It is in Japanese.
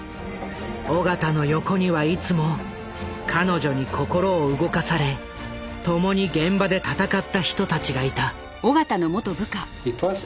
緒方の横にはいつも彼女に心を動かされ共に現場で闘った人たちがいた。